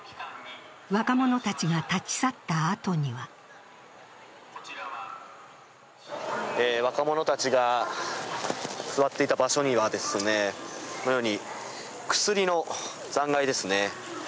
若者たちが立ち去ったあとには若者たちが座っていた場所には、このように薬の残骸ですね。